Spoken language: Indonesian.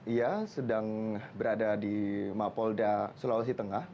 ia sedang berada di mapolda sulawesi tengah